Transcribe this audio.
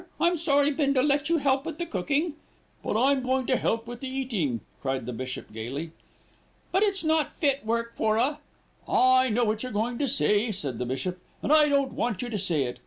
I'm sorry Bindle let you help with the cooking." "But I'm going to help with the eating," cried the bishop gaily. "But it's not fit work for a " "I know what you're going to say," said the bishop, "and I don't want you to say it.